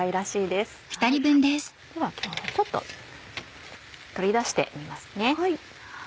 ではちょっと取り出してみますね。